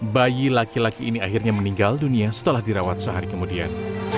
bayi laki laki ini akhirnya meninggal dunia setelah dirawat sehari kemudian